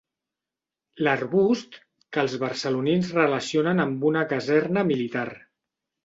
L'arbust que els barcelonins relacionen amb una caserna militar.